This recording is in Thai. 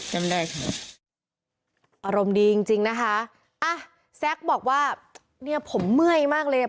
จำได้ค่ะอารมณ์ดีจริงจริงนะคะอ่ะแซ็กบอกว่าเนี่ยผมเมื่อยมากเลยอ่ะ